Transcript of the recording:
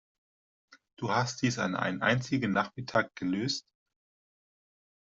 Du hast dies an einem einzigen Nachmittag gelöst?